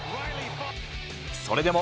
それでも。